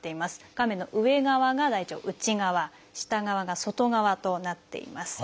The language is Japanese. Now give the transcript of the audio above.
画面の上側が大腸の内側下側が外側となっています。